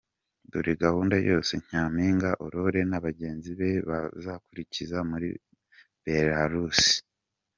Dore gahunda yose Nyampinga Aurore na bagenzi be bazakurikiza muri Belarus:.